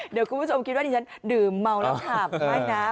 เดี๋ยวคุณผู้ชมคิดว่าดิฉันดื่มเมาแล้วฉาบไม่นะ